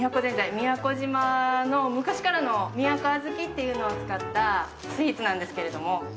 宮古島の、昔からの宮古小豆というのを使ったスイーツなんですけれども。